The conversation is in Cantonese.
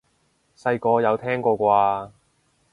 細個有聽過啩？